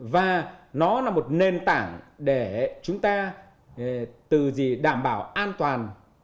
và nó là một nền tảng để chúng ta từ gì đảm bảo an toàn